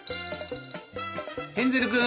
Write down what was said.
ヘンゼル君！